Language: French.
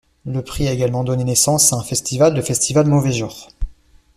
Le Prix a également donné naissance à un festival, le Festival Mauvais genres.